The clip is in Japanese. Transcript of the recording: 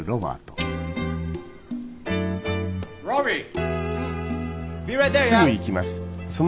・ロビー！